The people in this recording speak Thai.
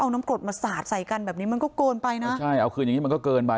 เอาน้ำกรดมาสาดใส่กันแบบนี้มันก็เกินไปนะใช่เอาคืนอย่างงี้มันก็เกินไป